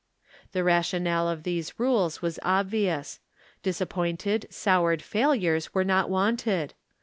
The rationale of these rules was obvious. Disappointed, soured failures were not wanted.